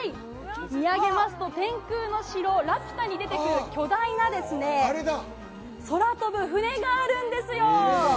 見上げますと、天空の城ラピュタに出てくる巨大な空飛ぶ船があるんですよ。